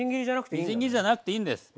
みじん切りじゃなくていいんです。